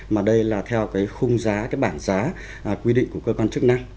mà đây là theo cái khung giá cái bảng giá quy định của cơ quan chức năng